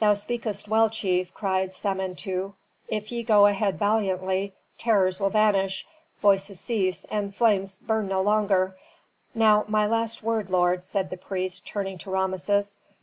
"Thou speakest well, chief," cried Samentu. "If ye go ahead valiantly, terrors will vanish, voices cease, and flames burn no longer. Now my last word, lord," said the priest, turning to Rameses.